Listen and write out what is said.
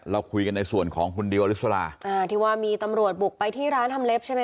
เราคุยกันในส่วนของคุณดิวอลิสลาอ่าที่ว่ามีตำรวจบุกไปที่ร้านทำเล็บใช่ไหม